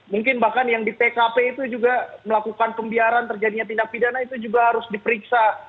mungkin bahkan yang di tkp itu juga melakukan pembiaran terjadinya tindak pidana itu juga harus diperiksa